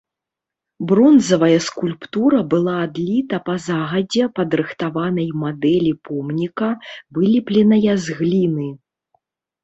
Бронзавая скульптура была адліта па загадзя падрыхтаванай мадэлі помніка, вылепленая з гліны.